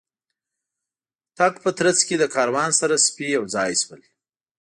د تګ په ترڅ کې له کاروان سره سپي یو ځای شول.